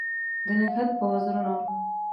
د نګهت په وزرونو